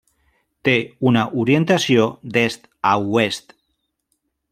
Té una orientació d'est a oest.